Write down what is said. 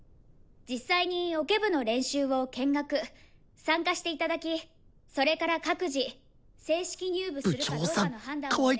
実際にオケ部の練習を見学参加していただきそれから各自正式入部するかどうかの判断をお願いします。